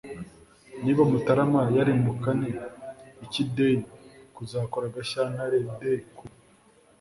Niba Mutarama yari mu kane iki Day kuzakora Gashyantare The ku